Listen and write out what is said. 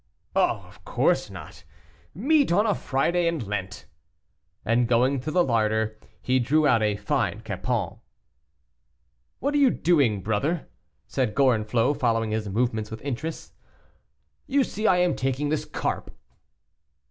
"Oh, of course not; meat on a Friday in Lent!" And going to the larder, he drew out a fine capon. "What are you doing, brother?" said Gorenflot, following his movements with interest. "You see I am taking this carp."